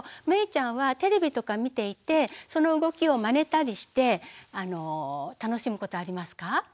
めいちゃんはテレビとか見ていてその動きをまねたりして楽しむことありますか？